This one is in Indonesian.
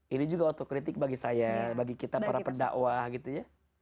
ini juga otokritik bagi saya bagi kita para pendakwah gitu ya